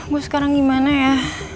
gue sekarang gimana ya